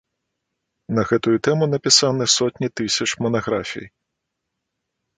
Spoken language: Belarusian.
На гэтую тэму напісаны сотні тысяч манаграфій.